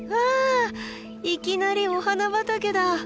いきなりお花畑だ！